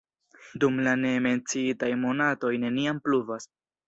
Dum la ne menciitaj monatoj neniam pluvas.